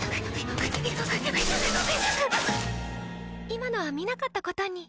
今のは見なかったことに。